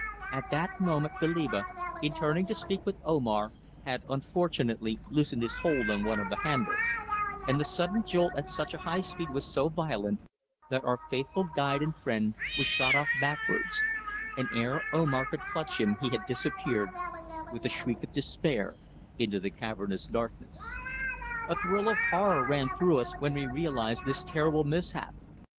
At that moment Goliba, in turning to speak with Omar, had unfortunately loosened his hold of one of the handles, and the sudden jolt at such a high speed was so violent that our faithful guide and friend was shot off backwards, and ere Omar could clutch him he had disappeared with a shriek of despair into the cavernous darkness. A thrill of horror ran through us when we realised this terrible mishap.